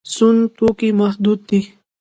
سون توکي محدود دي.